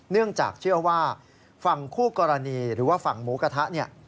เนื่องจากเชื่อว่าฝั่งคู่กรณีหรือว่าฝั่งหมูกระทะเนี่ย